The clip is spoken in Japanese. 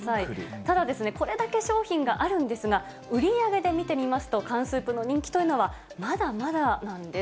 ただですね、これだけ商品があるんですが、売り上げで見てみますと、缶スープの人気というのは、まだまだなんです。